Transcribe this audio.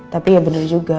tapi ya bener juga